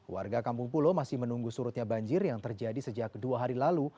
warga kampung pulo masih menunggu surutnya banjir yang terjadi sejak dua hari lalu